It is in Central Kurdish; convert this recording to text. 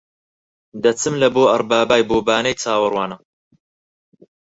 دەچم لە بۆ ئەڕبابای بۆ بانەی چاوەڕوانە